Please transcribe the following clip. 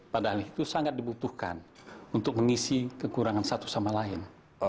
padahal itu sangat dibutuhkan untuk mengisi kekurangan satu sama lain